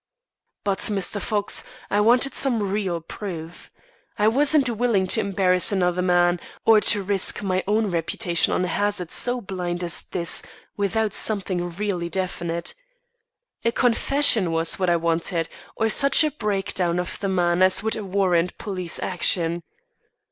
"But Mr. Fox, I wanted some real proof. I wasn't willing to embarrass another man, or to risk my own reputation on a hazard so blind as this, without something really definite. A confession was what I wanted, or such a breakdown of the man as would warrant police action.